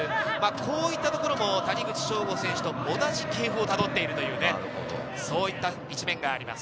こういったところも谷口彰悟選手と同じ経過をたどっている、そういった一面があります。